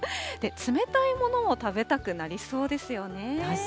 冷たいものも食べたくなりそうですよね。